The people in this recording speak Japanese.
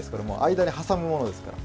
間に挟むものですから。